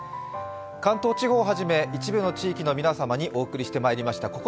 関東地方はじめ一部の地域の皆様にお送りしてまいりました